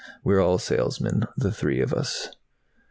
We're all salesmen, the three of us."